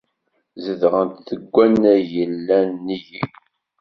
Zedɣent deg wannag yellan nnig-i.